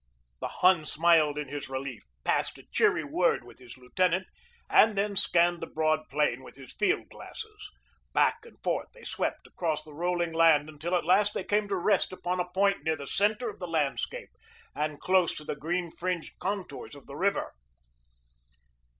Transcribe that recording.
The Hun smiled in his relief, passed a cheery word with his lieutenant, and then scanned the broad plain with his field glasses. Back and forth they swept across the rolling land until at last they came to rest upon a point near the center of the landscape and close to the green fringed contours of the river.